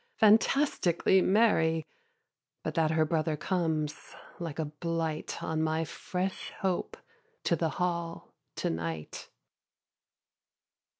Fantastically merry; But that her brother comes, like a blight On my fresh hope, to the Hall to night.